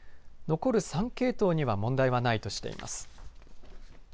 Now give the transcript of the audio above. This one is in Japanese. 残る３系統には問題はないとしています。